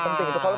itu dia penting